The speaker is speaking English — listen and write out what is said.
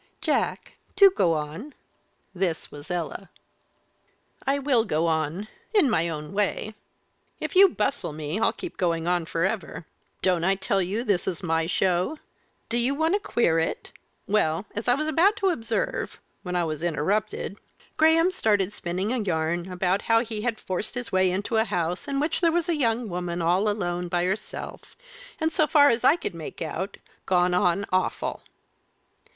"Jack, do go on." This was Ella. "I will go on in my own way. If you bustle me, I'll keep going on for ever. Don't I tell you this is my show? Do you want to queer it? Well, as I was about to observe when I was interrupted Graham started spinning a yarn about how he had forced his way into a house, in which there was a young woman all alone, by herself, and, so far as I could make out, gone on awful.